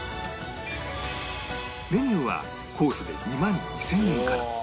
メニューはコースで２万２０００円から